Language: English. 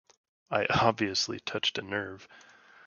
I obviously touched a nerve.